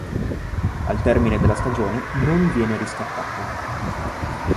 Al termine della stagione, non viene riscattato.